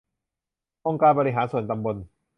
องค์การบริหารส่วนตำบล